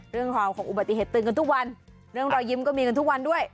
เรื่องราวของอุบัติเหตุเตือนกันทุกวันเรื่องรอยยิ้มก็มีกันทุกวันด้วย